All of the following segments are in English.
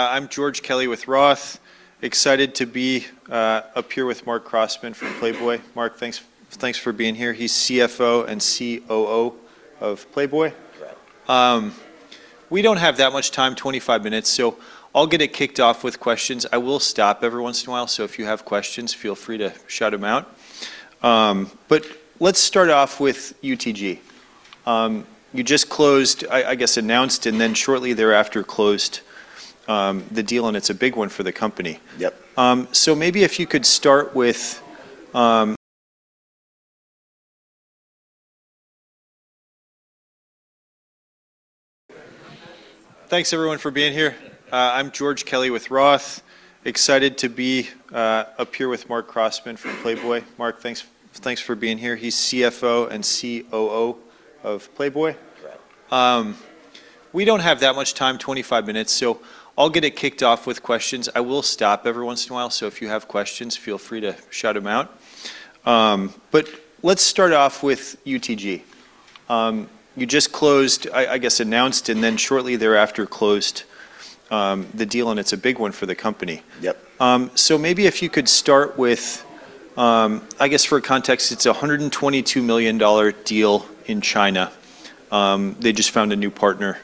I'm George Kelly with Roth. Excited to be up here with Marc Crossman from Playboy. Marc, thanks for being here. He's CFO and COO of Playboy. Right. We don't have that much time, 25 minutes. I'll get it kicked off with questions. I will stop every once in a while, if you have questions, feel free to shout them out. Let's start off with UTG. You just, I guess, announced and then shortly thereafter closed the deal, it's a big one for the company. Yep. Thanks everyone for being here. I'm George Kelly with Roth. Excited to be up here with Marc Crossman from Playboy. Marc, thanks for being here. He's CFO and COO of Playboy. Right. We don't have that much time, 25 minutes. I'll get it kicked off with questions. I will stop every once in a while, if you have questions, feel free to shout them out. Let's start off with UTG. You just, I guess, announced and then shortly thereafter closed the deal, it's a big one for the company. Yep. Maybe if you could start with, I guess for context, it's a $122 million deal in China. They just found a new partner.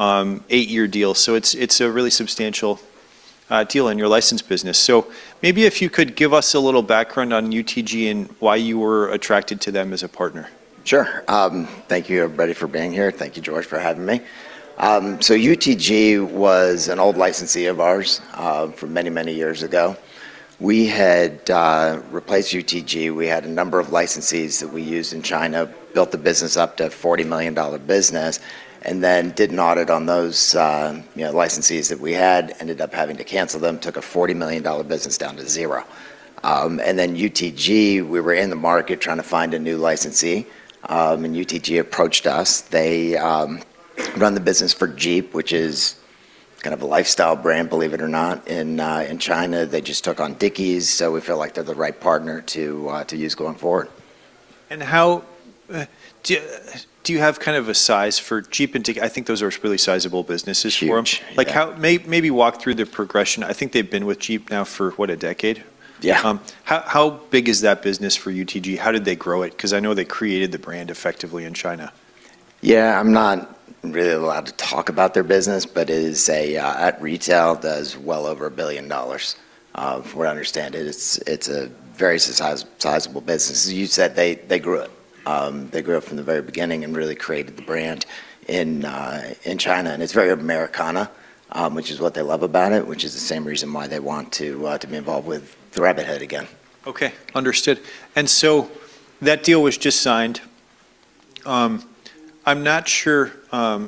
Eight-year deal. It's a really substantial deal in your licensed business. Maybe if you could give us a little background on UTG and why you were attracted to them as a partner. Sure. Thank you everybody for being here. Thank you, George, for having me. UTG was an old licensee of ours from many, many years ago. We had replaced UTG. We had a number of licensees that we used in China, built the business up to a $40 million business, did an audit on those licensees that we had, ended up having to cancel them, took a $40 million business down to zero. UTG, we were in the market trying to find a new licensee, UTG approached us. They run the business for Jeep, which is kind of a lifestyle brand, believe it or not, in China. They just took on Dickies, we feel like they're the right partner to use going forward. Do you have kind of a size for Jeep and Dickies? I think those are really sizable businesses for them. Huge. Yeah. Maybe walk through the progression. I think they've been with Jeep now for, what, a decade? Yeah. How big is that business for UTG? How did they grow it? I know they created the brand effectively in China. Yeah. I'm not really allowed to talk about their business. It, at retail, does well over $1 billion. From what I understand, it's a very sizable business. As you said, they grew it. They grew it from the very beginning and really created the brand in China, and it's very Americana, which is what they love about it, which is the same reason why they want to be involved with the rabbit head again. Okay, understood. That deal was just signed. I'm not sure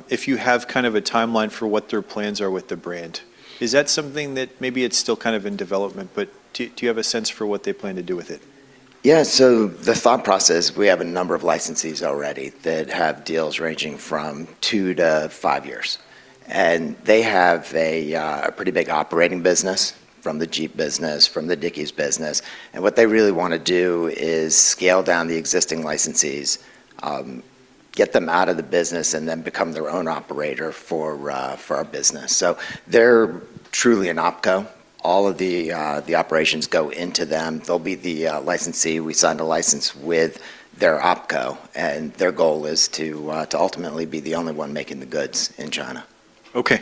if you have kind of a timeline for what their plans are with the brand. Is that something that maybe it's still kind of in development, but do you have a sense for what they plan to do with it? Yeah. The thought process, we have a number of licensees already that have deals ranging from two to five years, and they have a pretty big operating business from the Jeep business, from the Dickies business, and what they really want to do is scale down the existing licensees, get them out of the business, and then become their own operator for our business. They're truly an opco. All of the operations go into them. They'll be the licensee. We signed a license with their opco, their goal is to ultimately be the only one making the goods in China. Okay.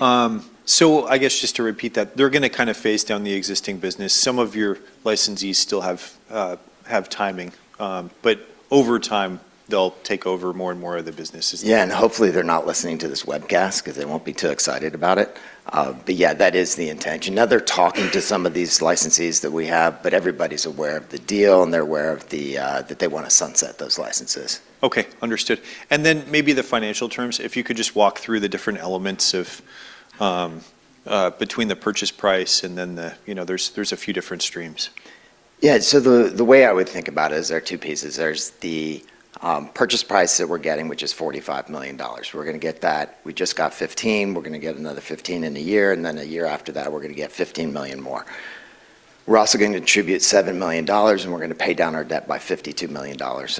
I guess just to repeat that, they're going to kind of phase down the existing business. Some of your licensees still have timing, over time, they'll take over more and more of the business, is that right? Yeah, hopefully, they're not listening to this webcast because they won't be too excited about it. Yeah, that is the intention. They're talking to some of these licensees that we have, everybody's aware of the deal, they're aware that they want to sunset those licenses. Okay, understood. Maybe the financial terms, if you could just walk through the different elements between the purchase price. There's a few different streams. The way I would think about it is there are two pieces. There's the purchase price that we're getting, which is $45 million. We're going to get that. We just got $15 million, we're going to get another $15 million in a year, and then a year after that, we're going to get $15 million more. We're also going to contribute $7 million, and we're going to pay down our debt by $52 million.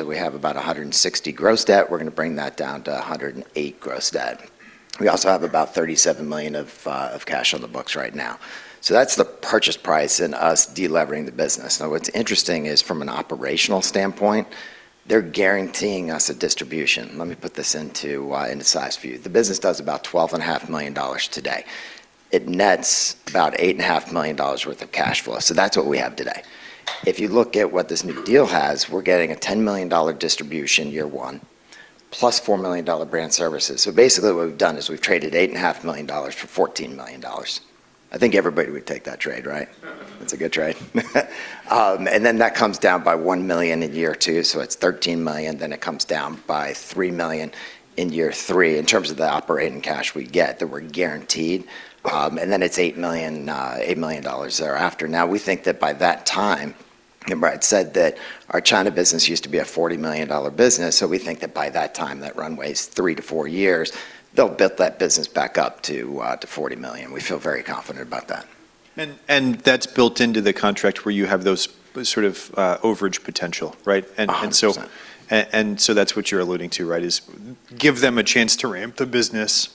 We have about $160 million gross debt. We're going to bring that down to $108 million gross debt. We also have about $37 million of cash on the books right now. That's the purchase price and us de-levering the business. What's interesting is from an operational standpoint, they're guaranteeing us a distribution. Let me put this into size for you. The business does about $12.5 million today. It nets about $8.5 million worth of cash flow. That's what we have today. If you look at what this new deal has, we're getting a $10 million distribution year one, plus $4 million brand services. Basically, what we've done is we've traded $8.5 million for $14 million. I think everybody would take that trade, right? That's a good trade. Then that comes down by $1 million in year two, it's $13 million, then it comes down by $3 million in year three in terms of the operating cash we get, that we're guaranteed, and then it's $8 million thereafter. We think that by that time, remember I had said that our China business used to be a $40 million business, we think that by that time, that runway's three to four years, they'll build that business back up to $40 million. We feel very confident about that. That's built into the contract where you have those sort of overage potential, right? 100%. That's what you're alluding to, right? Is give them a chance to ramp the business.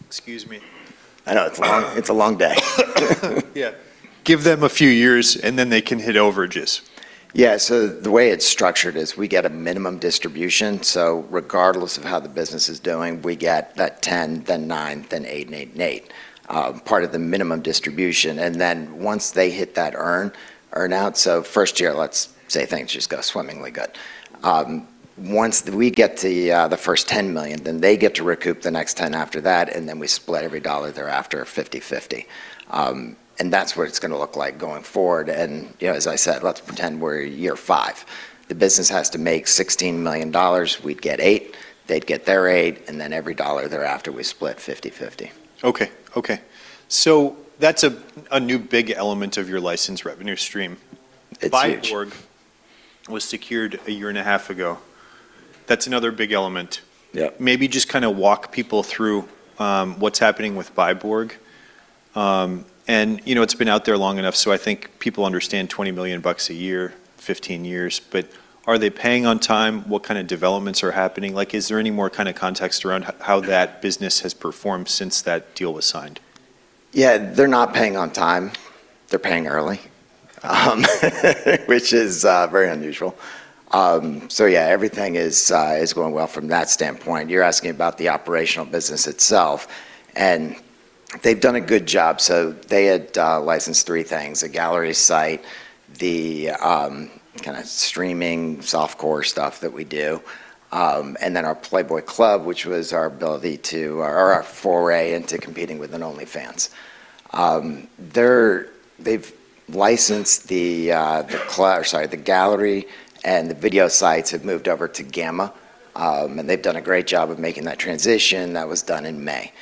Excuse me. I know. It's a long day. Yeah. Give them a few years, and then they can hit overages. Yeah. The way it's structured is we get a minimum distribution. Regardless of how the business is doing, we get that 10, then nine, then eight, part of the minimum distribution. Once they hit that earn-out So first year, let's say things just go swimmingly good. Once we get the first $10 million, then they get to recoup the next $10 after that, and then we split every dollar thereafter 50/50. That's what it's going to look like going forward. As I said, let's pretend we're year five. The business has to make $16 million. We'd get eight, they'd get their eight, and then every dollar thereafter, we split 50/50. Okay. That's a new big element of your licensed revenue stream. It's huge. Byborg was secured a year and a half ago. That's another big element. Yeah. Maybe just kind of walk people through what's happening with Byborg. It's been out there long enough, so I think people understand $20 million a year, 15 years. Are they paying on time? What kind of developments are happening? Is there any more kind of context around how that business has performed since that deal was signed? Yeah. They're not paying on time. They're paying early which is very unusual. Everything is going well from that standpoint. You're asking about the operational business itself. They've done a good job. They had licensed three things, a gallery site, the streaming soft-core stuff that we do, and then our Playboy Club, which was our foray into competing with an OnlyFans. They've licensed the gallery and the video sites have moved over to Gamma. They've done a great job of making that transition. That was done in May.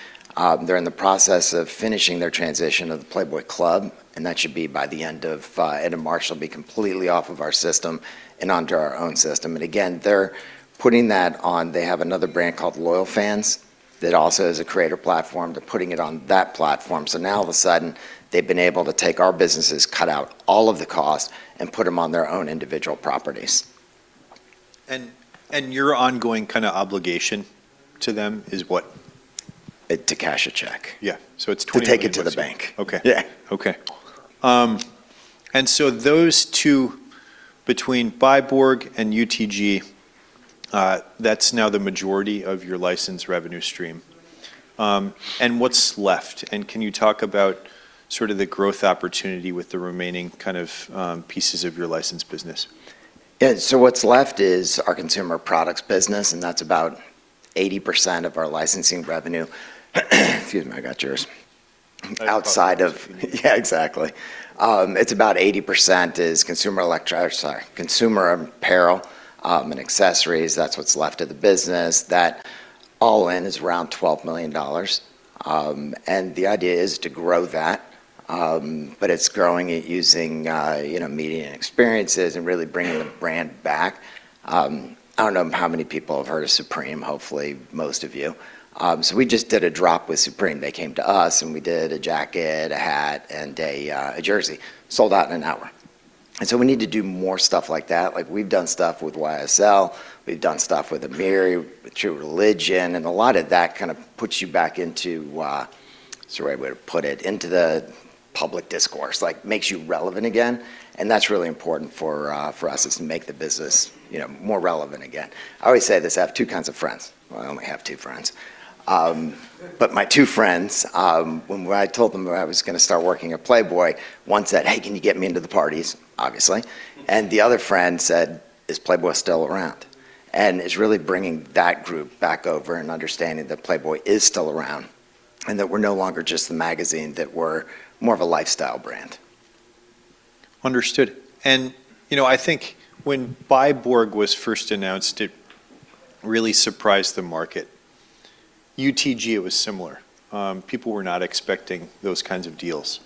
They're in the process of finishing their transition of the Playboy Club. That should be by the end of March, it'll be completely off of our system and onto our own system. Again, they're putting that on. They have another brand called LoyalFans that also is a creator platform. They're putting it on that platform. Now all of a sudden, they've been able to take our businesses, cut out all of the cost, and put them on their own individual properties. Your ongoing obligation to them is what? To cash a check. Yeah. To take it to the bank. Okay. Yeah. Okay. Those two, between Byborg and UTG, that's now the majority of your licensed revenue stream. What's left? Can you talk about sort of the growth opportunity with the remaining kind of pieces of your licensed business? Yeah. What's left is our consumer products business, and that's about 80% of our licensing revenue. Excuse me. I got yours. I thought- Outside of Yeah, exactly. It's about 80% is consumer apparel and accessories. That's what's left of the business. That all-in is around $12 million. The idea is to grow that, it's growing it using media and experiences and really bringing the brand back. I don't know how many people have heard of Supreme, hopefully most of you. We just did a drop with Supreme. They came to us, we did a jacket, a hat, and a jersey. Sold out in an hour. We need to do more stuff like that. We've done stuff with YSL. We've done stuff with Amiri, with True Religion, a lot of that kind of puts you back into, what's the right way to put it? Into the public discourse. Makes you relevant again, that's really important for us, is to make the business more relevant again. I always say this, I have two kinds of friends. Well, I only have two friends. My two friends, when I told them I was going to start working at Playboy, one said, "Hey, can you get me into the parties?" Obviously. The other friend said, "Is Playboy still around?" It's really bringing that group back over and understanding that Playboy is still around, that we're no longer just the magazine, that we're more of a lifestyle brand. Understood. I think when Byborg was first announced, it really surprised the market. UTG, it was similar. People were not expecting those kinds of deals.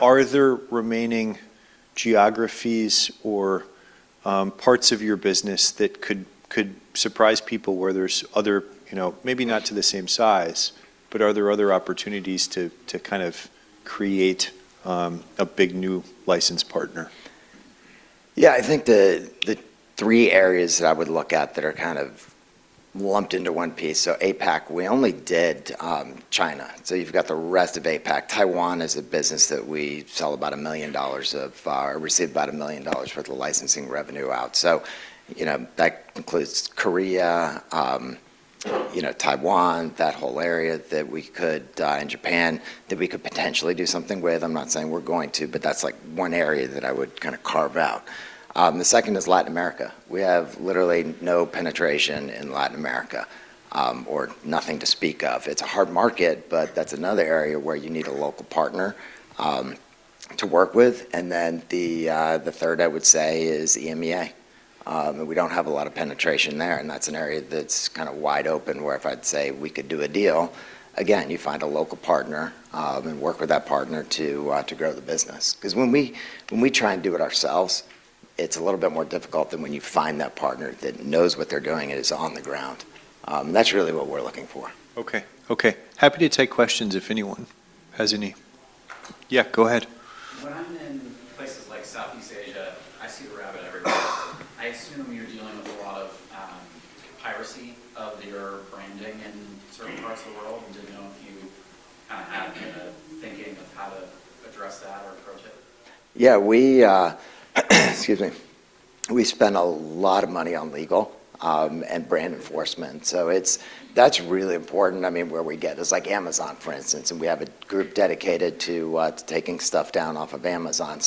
Are there remaining geographies or parts of your business that could surprise people where there's other, maybe not to the same size, but are there other opportunities to kind of create a big, new license partner? I think the three areas that I would look at that are kind of lumped into one piece. APAC, we only did China. You've got the rest of APAC. Taiwan is a business that we sell about $1 million of, or receive about $1 million worth of licensing revenue out. That includes Korea, Taiwan, that whole area that we could, and Japan, that we could potentially do something with. I'm not saying we're going to, but that's one area that I would kind of carve out. The second is Latin America. We have literally no penetration in Latin America, or nothing to speak of. It's a hard market, but that's another area where you need a local partner to work with. The third, I would say, is EMEA. We don't have a lot of penetration there, and that's an area that's kind of wide open where if I'd say we could do a deal, again, you find a local partner, and work with that partner to grow the business. When we try and do it ourselves, it's a little bit more difficult than when you find that partner that knows what they're doing and is on the ground. That's really what we're looking for. Okay. Happy to take questions if anyone has any. Yeah, go ahead. When I'm in places like Southeast Asia, I see Rabbit everywhere. I assume you're dealing with a lot of piracy of your branding in certain parts of the world. I don't know if you have a way of thinking of how to address that or approach it. Yeah. Excuse me. We spend a lot of money on legal and brand enforcement. That's really important. Where we get is like Amazon, for instance, and we have a group dedicated to taking stuff down off of Amazon.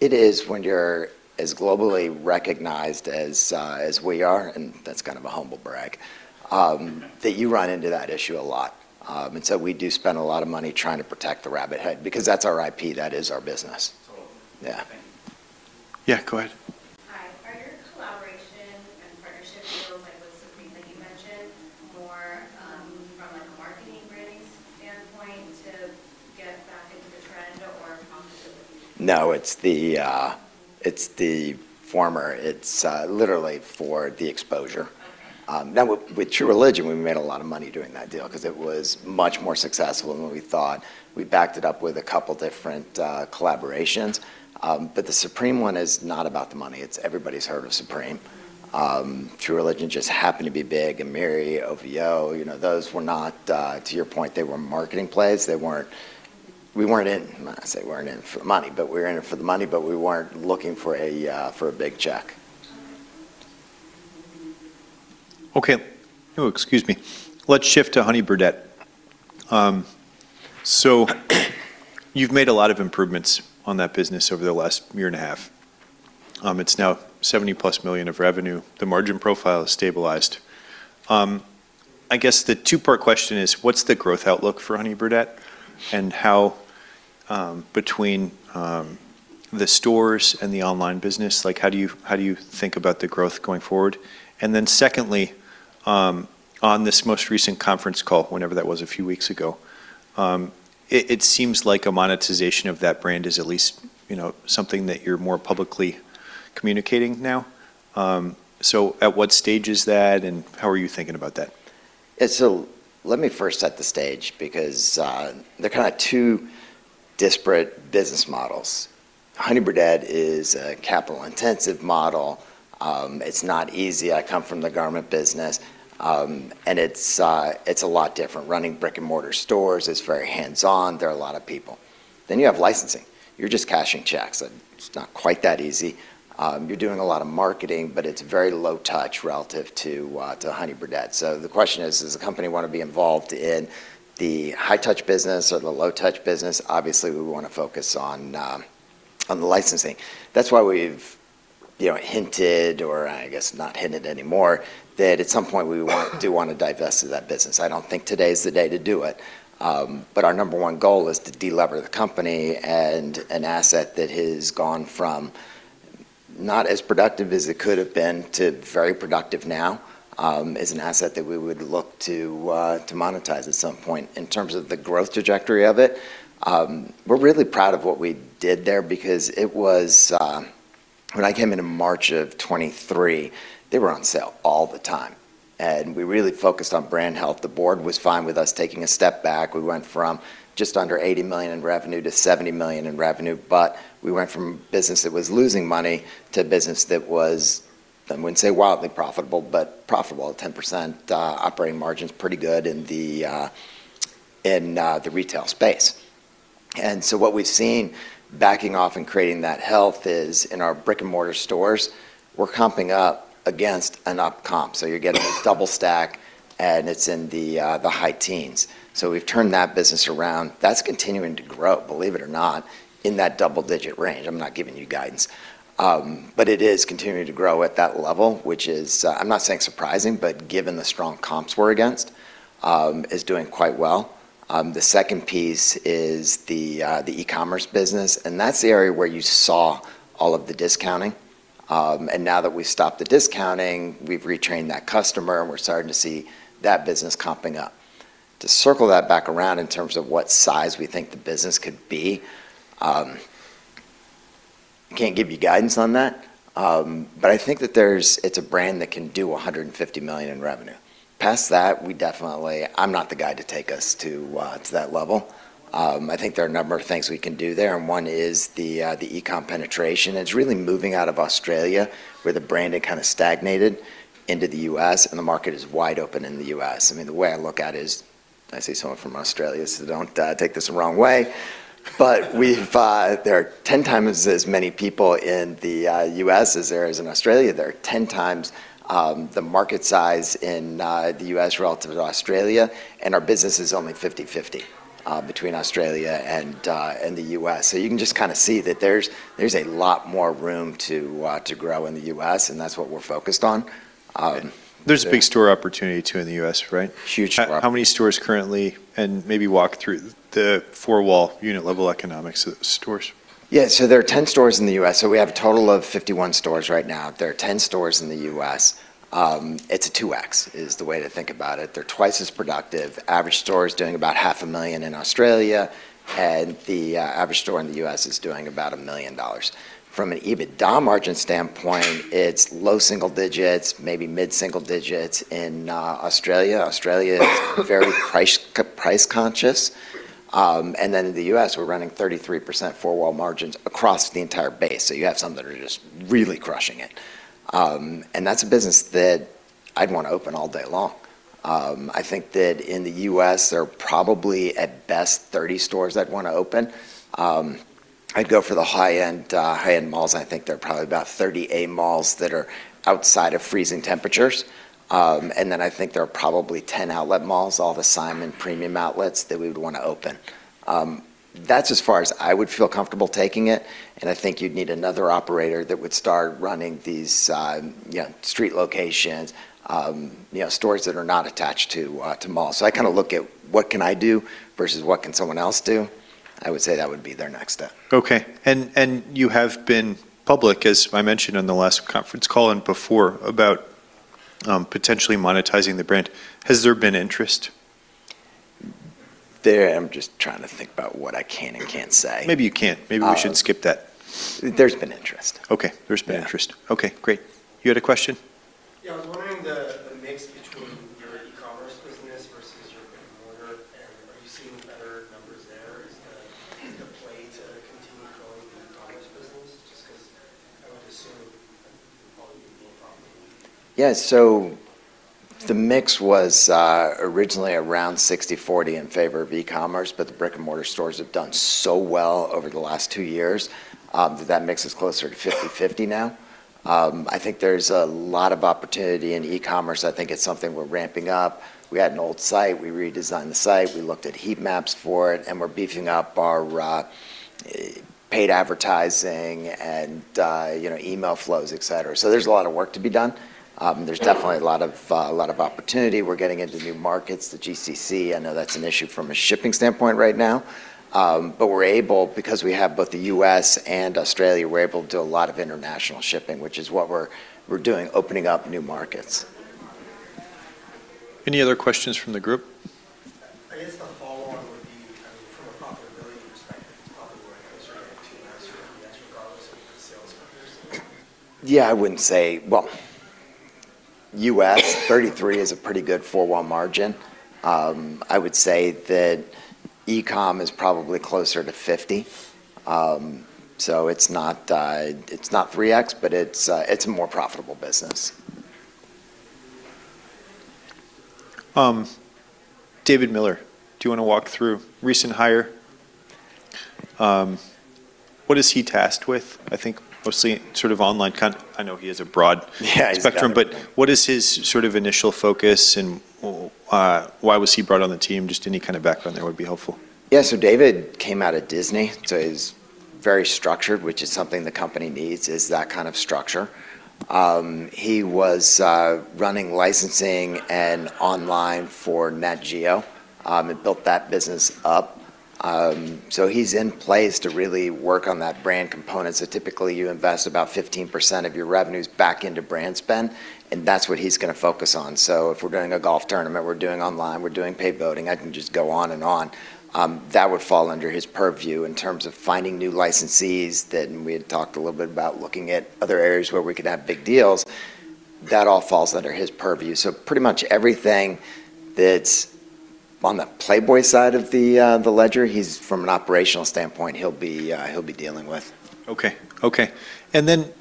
It is when you're as globally recognized as we are, and that's kind of a humble brag- that you run into that issue a lot. We do spend a lot of money trying to protect the Rabbit head because that's our IP, that is our business. Totally. Yeah. Thank you. Yeah, go ahead. Hi. Are your collaboration and partnership deals, like with Supreme that you mentioned, more from a marketing branding standpoint to get back into the trend or profitability? No, it's the former. It's literally for the exposure. Okay. With True Religion, we made a lot of money doing that deal because it was much more successful than what we thought. We backed it up with a couple different collaborations. The Supreme one is not about the money. Everybody's heard of Supreme. True Religion just happened to be big, and Amiri, OVO, to your point, they were marketing plays. I wouldn't say we weren't in it for the money, but we were in it for the money, but we weren't looking for a big check. All right. Okay. Excuse me. Let's shift to Honey Birdette. You've made a lot of improvements on that business over the last year and a half. It's now $70-plus million of revenue. The margin profile has stabilized. I guess the 2-part question is, what's the growth outlook for Honey Birdette, and how between the stores and the online business, how do you think about the growth going forward? Secondly, on this most recent conference call, whenever that was, a few weeks ago, it seems like a monetization of that brand is at least something that you're more publicly communicating now. At what stage is that, and how are you thinking about that? Let me first set the stage because they're two disparate business models. Honey Birdette is a capital-intensive model. It's not easy. I come from the garment business, and it's a lot different. Running brick-and-mortar stores is very hands-on. There are a lot of people. You have licensing. You're just cashing checks, and it's not quite that easy. You're doing a lot of marketing, but it's very low touch relative to Honey Birdette. The question is, does the company want to be involved in the high-touch business or the low-touch business? Obviously, we want to focus on the licensing. That's why we've hinted, or I guess not hinted anymore, that at some point we do want to divest of that business. I don't think today's the day to do it. Our number one goal is to de-lever the company and an asset that has gone from not as productive as it could've been to very productive now, is an asset that we would look to monetize at some point. In terms of the growth trajectory of it, we're really proud of what we did there because when I came in in March of 2023, they were on sale all the time, and we really focused on brand health. The board was fine with us taking a step back. We went from just under $80 million in revenue to $70 million in revenue. We went from a business that was losing money to a business that was, I wouldn't say wildly profitable, but profitable. 10% operating margin's pretty good in the retail space. What we've seen backing off and creating that health is in our brick-and-mortar stores, we're comping up against an up comp. You're getting a double stack, and it's in the high teens. We've turned that business around. That's continuing to grow, believe it or not, in that double-digit range. I'm not giving you guidance. It is continuing to grow at that level, which is, I'm not saying surprising, but given the strong comps we're against, is doing quite well. The second piece is the e-commerce business, and that's the area where you saw all of the discounting. Now that we've stopped the discounting, we've retrained that customer, and we're starting to see that business comping up. To circle that back around in terms of what size we think the business could be, can't give you guidance on that. I think that it's a brand that can do $150 million in revenue. Past that, I'm not the guy to take us to that level. I think there are a number of things we can do there, and one is the e-com penetration. It's really moving out of Australia, where the brand had kind of stagnated, into the U.S., and the market is wide open in the U.S. I see someone from Australia, so don't take this the wrong way, but there are 10 times as many people in the U.S. as there is in Australia. There are 10 times the market size in the U.S. relative to Australia, and our business is only 50/50 between Australia and the U.S. You can just kind of see that there's a lot more room to grow in the U.S., and that's what we're focused on. There's a big store opportunity, too, in the U.S., right? Huge. How many stores currently? Maybe walk through the four-wall unit level economics of the stores. Yeah. There are 10 stores in the U.S., we have a total of 51 stores right now. There are 10 stores in the U.S. It's a 2X, is the way to think about it. They're twice as productive. Average store is doing about half a million AUD in Australia, the average store in the U.S. is doing about $1 million. From an EBITDA margin standpoint, it's low single digits, maybe mid single digits in Australia. Australia is very price-conscious. Then in the U.S., we're running 33% four-wall margins across the entire base. You have some that are just really crushing it. That's a business that I'd want to open all day long. I think that in the U.S. there are probably at best 30 stores I'd want to open. I'd go for the high-end malls. I think there are probably about 38 malls that are outside of freezing temperatures. Then I think there are probably 10 outlet malls, all the Simon Premium Outlets that we would want to open. That's as far as I would feel comfortable taking it. I think you'd need another operator that would start running these street locations, stores that are not attached to malls. I look at what can I do versus what can someone else do. I would say that would be their next step. Okay. You have been public, as I mentioned on the last conference call and before, about potentially monetizing the brand. Has there been interest? There I'm just trying to think about what I can and can't say. Maybe you can't. Maybe we should skip that. There's been interest. Okay. There's been interest. Okay, great. You had a question? Yeah. I was wondering the mix between your e-commerce business versus your brick and mortar. Are you seeing better numbers there? Is that in the play to continue growing the e-commerce business? Just because I would assume it would probably be more profitable. Yeah. The mix was originally around 60/40 in favor of e-commerce, but the brick and mortar stores have done so well over the last two years, that that mix is closer to 50/50 now. I think there's a lot of opportunity in e-commerce. I think it's something we're ramping up. We had an old site, we redesigned the site, we looked at heat maps for it. We're beefing up our paid advertising and email flows, et cetera. There's a lot of work to be done, and there's definitely a lot of opportunity. We're getting into new markets, the GCC, I know that's an issue from a shipping standpoint right now. We're able, because we have both the U.S. and Australia, we're able to do a lot of international shipping, which is what we're doing, opening up new markets. Any other questions from the group? I guess the follow-on would be from a profitability perspective, it's probably where it has your 2X or 3X, regardless of the sales numbers. Yeah, I wouldn't say Well, U.S., 33 is a pretty good four-wall margin. I would say that e-com is probably closer to 50. It's not 3X, but it's a more profitable business. David Miller. Do you want to walk through recent hire? What is he tasked with? I think mostly sort of online. Yeah. spectrum, what is his sort of initial focus and why was he brought on the team? Just any kind of background there would be helpful. Yeah. David came out of Disney, he's very structured, which is something the company needs, is that kind of structure. He was running licensing and online for National Geographic, and built that business up. He's in place to really work on that brand component. Typically, you invest about 15% of your revenues back into brand spend, and that's what he's going to focus on. If we're doing a golf tournament, we're doing online, we're doing paid posting, I can just go on and on. That would fall under his purview in terms of finding new licensees that, and we had talked a little bit about looking at other areas where we could have big deals. That all falls under his purview. Pretty much everything that's on the Playboy side of the ledger, from an operational standpoint, he'll be dealing with. Okay.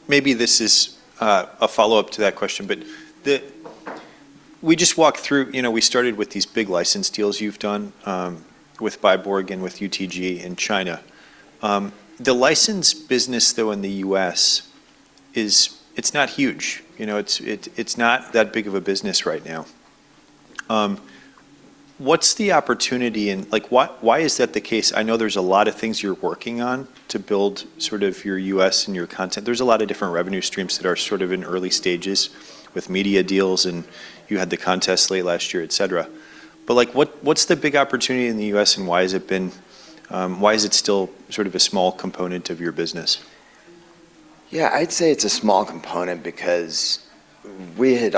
Maybe this is a follow-up to that question, we just walked through, we started with these big license deals you've done, with Byborg and with UTG in China. The license business though in the U.S., it's not huge. It's not that big of a business right now. What's the opportunity and why is that the case? I know there's a lot of things you're working on to build sort of your U.S. and your content. There's a lot of different revenue streams that are sort of in early stages with media deals, and you had the contest late last year, et cetera. What's the big opportunity in the U.S. and why is it still sort of a small component of your business? Yeah, I'd say it's a small component because we had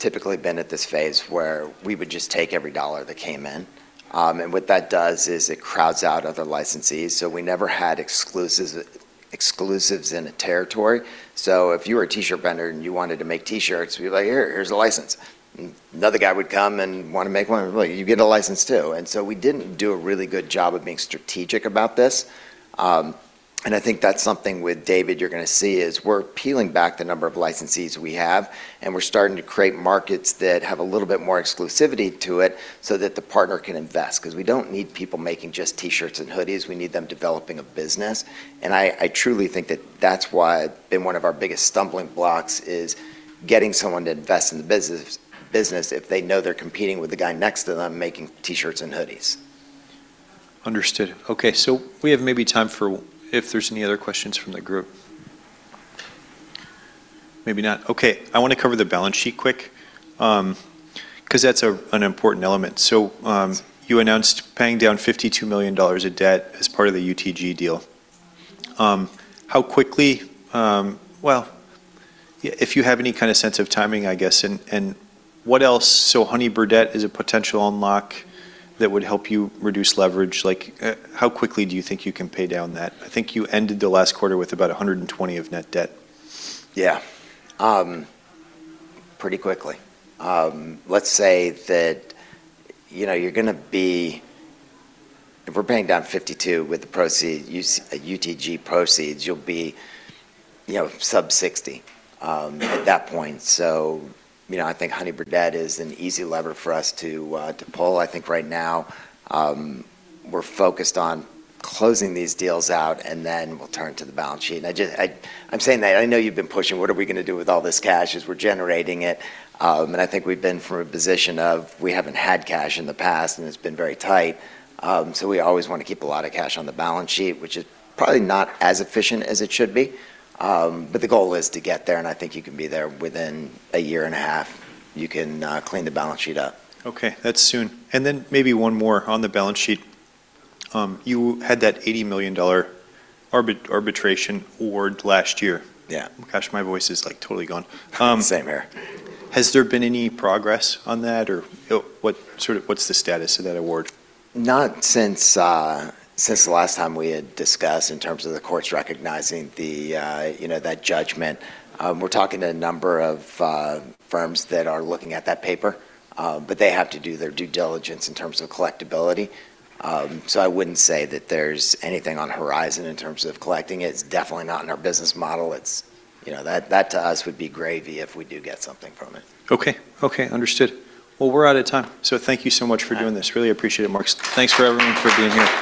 typically been at this phase where we would just take every dollar that came in. What that does is it crowds out other licensees. We never had exclusives in a territory. If you were a T-shirt vendor and you wanted to make T-shirts, we'd be like, "Here's a license." Another guy would come and want to make one, "Well, you get a license too." We didn't do a really good job of being strategic about this. I think that's something with David you're going to see, is we're peeling back the number of licensees we have, and we're starting to create markets that have a little bit more exclusivity to it so that the partner can invest. Because we don't need people making just T-shirts and hoodies, we need them developing a business. I truly think that that's why been one of our biggest stumbling blocks is getting someone to invest in the business if they know they're competing with the guy next to them making T-shirts and hoodies. Understood. We have maybe time for if there's any other questions from the group. Maybe not. I want to cover the balance sheet quick, because that's an important element. You announced paying down $52 million of debt as part of the UTG deal. Well, if you have any kind of sense of timing, I guess. What else? Honey Birdette is a potential unlock that would help you reduce leverage. How quickly do you think you can pay down that? I think you ended the last quarter with about $120 of net debt. Yeah. Pretty quickly. Let's say that if we're paying down $52 with the UTG proceeds, you'll be sub $60 at that point. I think Honey Birdette is an easy lever for us to pull. I think right now, we're focused on closing these deals out, then we'll turn to the balance sheet. I'm saying that I know you've been pushing, "What are we going to do with all this cash as we're generating it?" I think we've been from a position of we haven't had cash in the past, and it's been very tight. We always want to keep a lot of cash on the balance sheet, which is probably not as efficient as it should be. The goal is to get there, and I think you can be there within a year and a half. You can clean the balance sheet up. Okay. That's soon. Maybe one more on the balance sheet. You had that $80 million arbitration award last year. Yeah. Gosh, my voice is totally gone. Same here. Has there been any progress on that, or what's the status of that award? Not since the last time we had discussed in terms of the courts recognizing that judgment. We're talking to a number of firms that are looking at that paper. They have to do their due diligence in terms of collectibility. I wouldn't say that there's anything on the horizon in terms of collecting it. It's definitely not in our business model. That to us would be gravy if we do get something from it. Okay. Understood. Well, we're out of time. Thank you so much for doing this. Really appreciate it, Marcus. Thanks for everyone for being here.